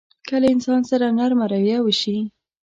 که له انسان سره نرمه رويه وشي.